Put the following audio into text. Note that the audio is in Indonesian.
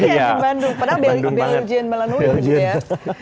iya anjing bandung padahal belgian malah nurut juga ya